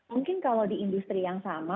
mungkin kalau di industri yang sama